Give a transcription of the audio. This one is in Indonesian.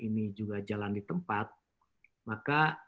pak ramli terima kasih